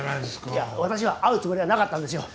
いや私は会うつもりはなかったんですよ。